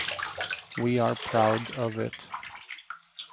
We are proud of it.